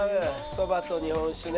そばと日本酒ね。